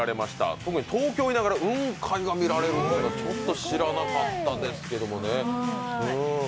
特に東京にいながら雲海が見られるというのはちょっと知らなかったですけどもね。